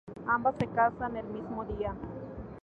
Ambas se casan el mismo día.